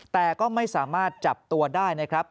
แต่ก็ไม่สามารถจับตัวได้นะครับ